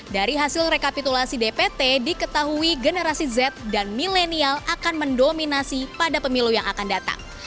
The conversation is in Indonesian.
dari hasil rekapitulasi dpt diketahui generasi z dan milenial akan mendominasi pada pemilu yang akan datang